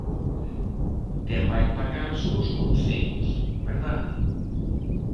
Quen vai pagar son os concellos, ¿verdade?